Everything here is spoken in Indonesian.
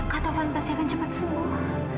pak taufan pasti akan cepat sembuh